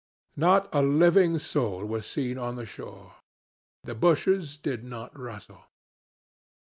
Not a living soul was seen on the shore. The bushes did not rustle.